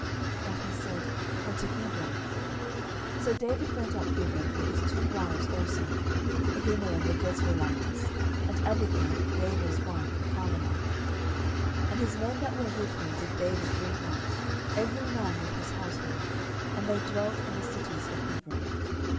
And he said, Unto Hebron. 10:002:002 So David went up thither, and his two wives also, Ahinoam the Jezreelitess, and Abigail Nabal's wife the Carmelite. 10:002:003 And his men that were with him did David bring up, every man with his household: and they dwelt in the cities of Hebron.